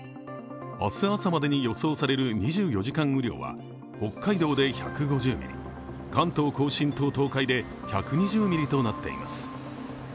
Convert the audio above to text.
明日朝までに予想される２４時間雨量は北海道で１５０ミリ、関東甲信と東海で１２０ミリとなっています。